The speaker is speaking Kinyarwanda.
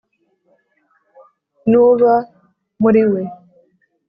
N’uba muri we